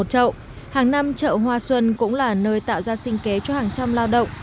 năm nay chợ hoa xuân cũng là nơi tạo ra sinh kế cho hàng trăm lao động